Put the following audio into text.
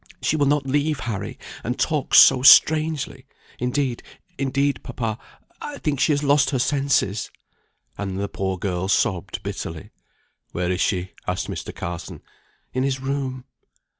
"She will not leave Harry, and talks so strangely. Indeed indeed papa, I think she has lost her senses." And the poor girl sobbed bitterly. "Where is she?" asked Mr. Carson. "In his room."